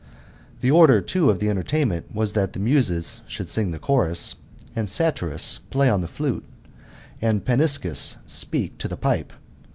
The order, too, of the entertainment was, that the Muses should sing the chorus, Satyrus play on the flute, and Paniscus^ speak to the pipe.